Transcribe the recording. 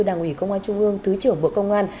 đảng ủy công an trung ương thứ trưởng bộ công an